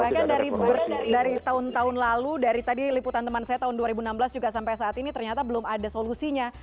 bahkan dari tahun tahun lalu dari tadi liputan teman saya tahun dua ribu enam belas juga sampai saat ini ternyata belum ada solusinya